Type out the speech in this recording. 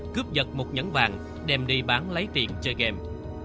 cướp giật một nhẫn vàng đem đi bán lấy tiền chơi game